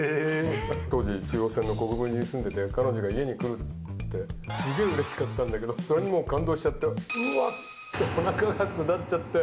当時、中央線の国分寺に住んでいて、彼女が家に来るって、すげーうれしかったんだけど、それに感動しちゃって、うわって、おなかが下っちゃって。